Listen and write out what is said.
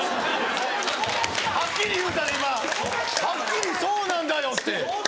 はっきり言うたで今はっきり「そうなんだよ」って。